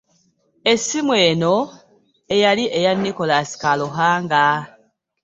Essimu eno eyali eya Nicholas Karuhanga.